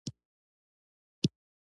د کابل په قره باغ کې کوم کانونه دي؟